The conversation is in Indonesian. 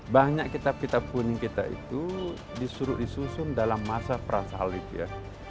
banyak kitab kitab kuning kita itu disuruh disusun dalam masa prasalib ya